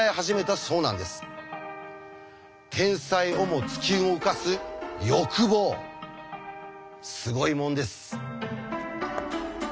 天才をも突き動かす欲望すごいもんです。